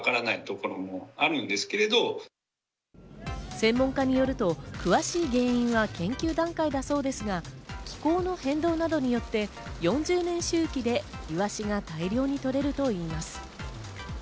専門家によると詳しい原因は研究段階だそうですが、気候の変動などによって４０年周期でイワシが大量に取れるといいます。